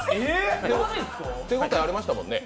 手応えありましたもんね。